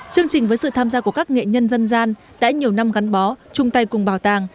chương trình với sự tham gia của các nghệ nhân dân gian đã nhiều năm gắn bó chung tay cùng bảo tàng